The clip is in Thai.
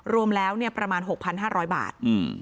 รวมแล้วประมาณ๖๕๐๐บาท